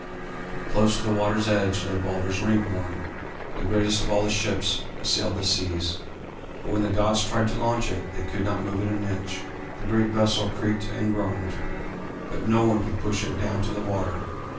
Close to the water's edge lay Balder's Ringhorn, the greatest of all the ships that sailed the seas, but when the gods tried to launch it they could not move it an inch. The great vessel creaked and groaned, but no one could push it down to the water.